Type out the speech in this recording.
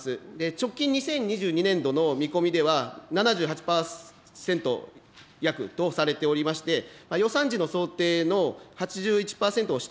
直近２０２２年度の見込みでは、７８％約とされておりまして、予算時の想定の８１％を下回っている状況です。